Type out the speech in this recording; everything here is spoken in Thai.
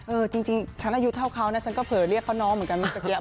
จริงฉันอายุเท่าเขานะฉันก็เผลอเรียกเขาน้องเหมือนกันเมื่อสักครู่